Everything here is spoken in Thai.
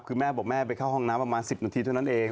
คือแม่บอกแม่ไปเข้าห้องน้ำประมาณ๑๐นาทีเท่านั้นเอง